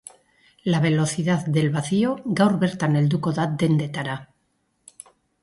La velocidad del vacio gaur bertan helduko da dendetara.